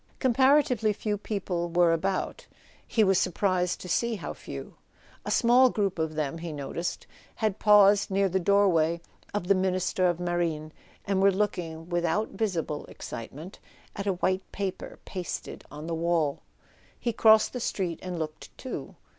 Comparatively few people were about: we was sur¬ prised to see how few. A small group of them, he no¬ ticed, had paused near the doorway of the Ministry of Marine, and were looking—without visible excite¬ ment—at a white paper pasted on the wall. He crossed the street and looked too.